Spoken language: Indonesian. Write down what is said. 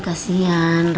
ada apa mir